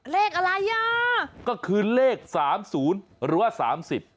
เลขอะไรอ่ะก็คือเลขสามศูนย์หรือว่าสามสิบ